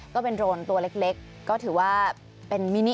ก็เป็นโรนตัวเล็กก็ถือว่าเป็นมินิ